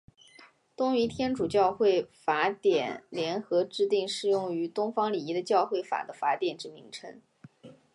东仪天主教会法典联合制定适用于东方礼仪的教会法的法典之名称。